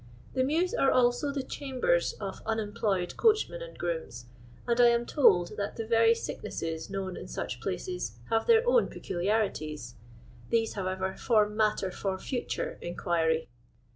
The mews are also the " chambers of unemployed coachmen and grooms, and I am told that the very sicknesses known in such places have their own peculiarities. These, however, form matter for futtire inquiry.